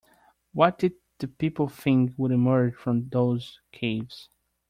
What did the people think would emerge from those caves?